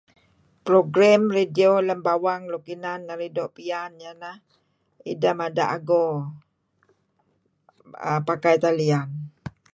Program radio lem bawang luk inan narih doo' piyan iyeh ineh ideh mada' ago pakai talian.